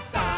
さあ！